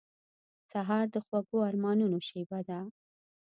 سهار د خوږو ارمانونو شېبه ده.